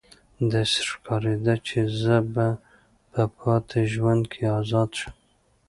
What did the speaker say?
داسې ښکاریده چې زه به په پاتې ژوند کې ازاده شم